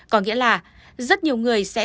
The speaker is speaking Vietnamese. có nghĩa là rất nhiều người sẽ